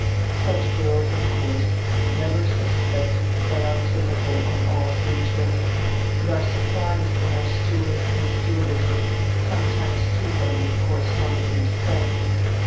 Such girls, of course, never suspect that they are typical on all sea trips, and are surprised when our stewards and stewardesses sometimes treat them with corresponding respect.